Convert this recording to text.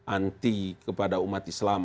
anti kepada umat islam